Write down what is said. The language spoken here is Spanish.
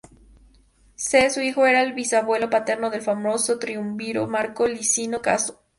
C.. Su hijo era el bisabuelo paterno del famoso triunviro Marco Licinio Craso.